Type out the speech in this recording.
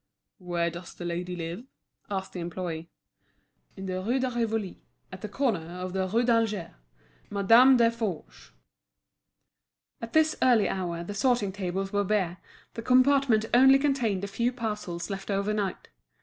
"Where does the lady live?" asked the employee. "In the Rue de Rivoli, at the corner of the Rue d'Alger—Madame Desforges." At this early hour the sorting tables were bare, the compartment only contained a few parcels left over night.